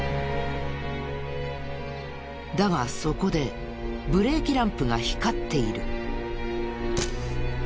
だがそこでブレーキランプが光っている。